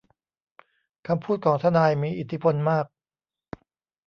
คำพูดของทนายมีอิทธิพลมาก